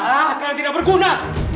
karena tidak berguna